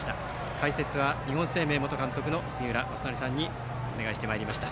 解説は日本生命元監督の杉浦正則さんにお願いしてまいりました。